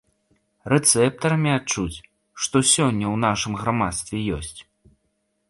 Рэцэптарамі адчуць, што сёння ў нашым грамадстве ёсць.